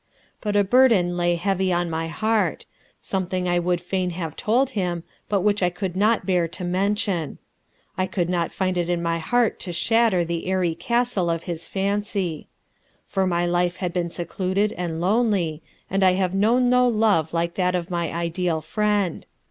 But a burden lay heavy on my heart something I would fain have told him but which I could not bear to mention. I could not find it in my heart to shatter the airy castle of his fancy. For my life has been secluded and lonely and I have known no love like that of my ideal friend.